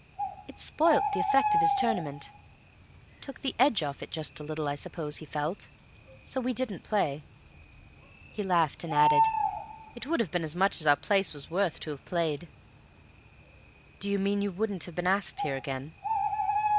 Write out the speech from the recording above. It spoilt the effect of his tournament. Took the edge off it just a little, I suppose he felt. So we didn't play." He laughed, and added, "It would have been as much as our place was worth to have played." "Do you mean you wouldn't have been asked here again?"